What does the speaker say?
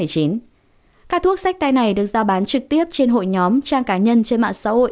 các thuốc sách tay này được giao bán trực tiếp trên hội nhóm trang cá nhân trên mạng xã hội